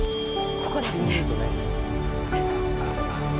ここですね。